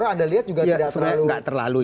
anda lihat juga tidak terlalu